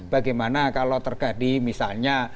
bagaimana kalau terjadi misalnya